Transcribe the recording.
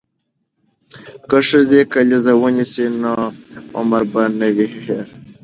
که ښځې کلیزه ونیسي نو عمر به نه وي هیر.